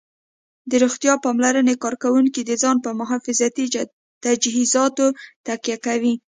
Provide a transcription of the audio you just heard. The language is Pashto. د روغتیا پاملرنې کارکوونکي د ځان په محافظتي تجهیزاتو تکیه کوي